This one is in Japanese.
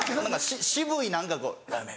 渋い何かこう「ラーメン」。